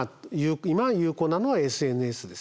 今有効なのはＳＮＳですね。